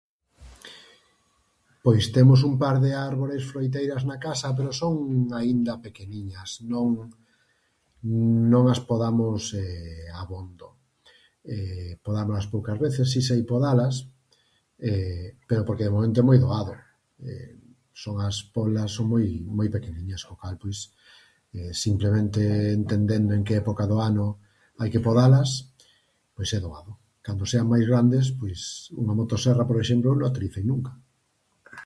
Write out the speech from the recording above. Pois temos un par de árbores froiteiras na casa, pero son aínda pequeniñas non, non as podamos abondo. Podámolas poucas veces, si sei podalas, pero porque de momento é moi doado, son as polas moi, moi pequeniñas o cal, pois, simplemente entendendo en que época do ano hai que podalas, pois é doado, cando sean máis grandes pois, unha motoserra, por exemplo, non a utilicei nunca.